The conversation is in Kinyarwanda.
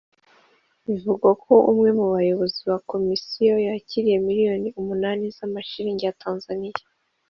Bivugwa ko umwe mu bayobozi ba Komisiyo yakiriye miliyoni umunani z’amashillingi ya Tanzania